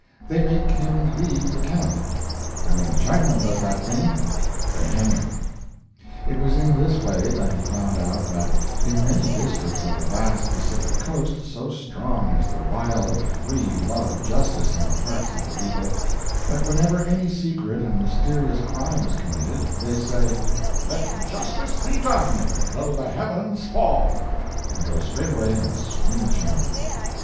they make him leave the camp; and when a Chinaman does that thing, they hang him. It was in this way that he found out that in many districts of the vast Pacific coast, so strong is the wild, free love of justice in the hearts of the people, that whenever any secret and mysterious crime is committed, they say, "Let justice be done, though the heavens fall," and go straightway and swing a Chinaman.